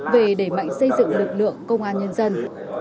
về đẩy mạnh xây dựng lực lượng công an nhân dân